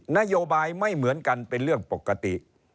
นโยบายไม่เหมือนกันเป็นเรื่องปกติ